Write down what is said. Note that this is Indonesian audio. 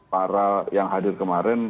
para yang hadir kemarin